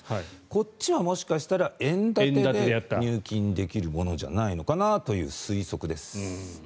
こっちはもしかしたら円建てで入金できるものじゃないのかなという推測です。